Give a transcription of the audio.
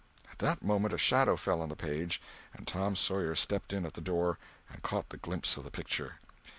At that moment a shadow fell on the page and Tom Sawyer stepped in at the door and caught a glimpse of the picture.